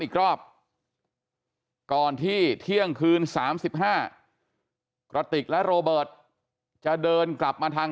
อีกรอบก่อนที่เที่ยงคืน๓๕กระติกและโรเบิร์ตจะเดินกลับมาทาง